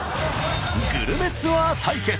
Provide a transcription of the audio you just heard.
グルメツアー対決。